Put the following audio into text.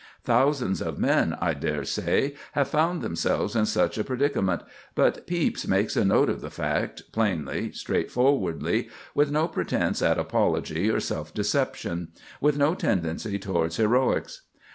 Thousands of men, I dare say, have found themselves in just such a predicament; but Pepys makes a note of the fact, plainly, straightforwardly, with no pretence at apology or self deception, with no tendency towards heroics.